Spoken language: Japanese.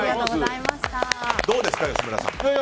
どうですか、吉村さん。